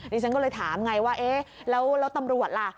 นี่ฉันก็เลยถามไงว่าแล้วตำรวจล่ะ